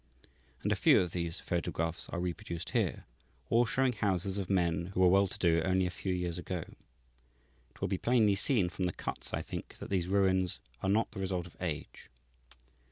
And a few of these photographs are reproduced here, all showing houses of men who were well to do only a few years ago. It will be plainly seen from the cuts, I think, that these ruins are not the result of age.